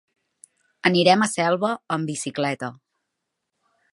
Anirem a Selva amb bicicleta.